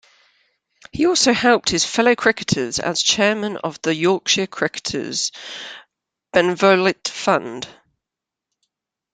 He also helped his fellow cricketers as Chairman of the Yorkshire Cricketers Benevolent Fund.